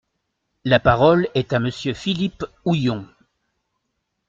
La parole est à Monsieur Philippe Houillon.